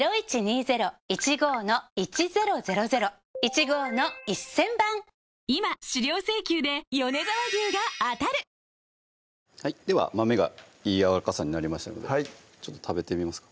ちょっと前にゆで始めたらＯＫですでは豆がいいやわらかさになりましたのでちょっと食べてみますか？